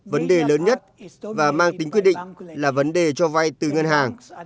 vấn đề lớn nhất và mang tính quyết định là vấn đề cho vay từ ngân hàng